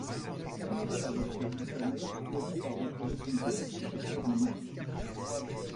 Après avoir perdu sa mère, Terry part retrouver son père chasseur en Inde.